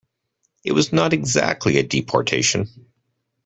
It was not exactly a deportation.